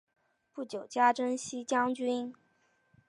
不久加征西将军。